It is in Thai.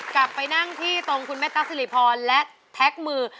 กลับไปนั่งที่ตรงคุณแม่ตั๊กสิริพรและแท็กมือ